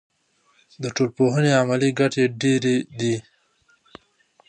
د ټولنپوهنې عملي ګټې ډېرې دي.